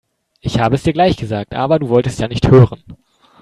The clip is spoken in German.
Ich habe es dir gleich gesagt, aber du wolltest ja nicht hören.